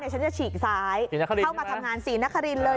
ฉันจะฉีกซ้ายเข้ามาทำงานศรีนครินเลย